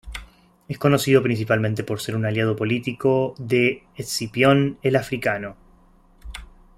Es conocido principalmente por ser un aliado político de Escipión el Africano.